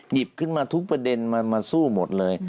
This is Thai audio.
หยิบขึ้นมาทุกประเด็นมาสู้หมดเลย